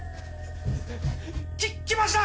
き来ました！